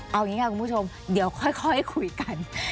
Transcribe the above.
เอาอย่างนี้ค่ะคุณผู้ชมเดี๋ยวค่อยคุยกัน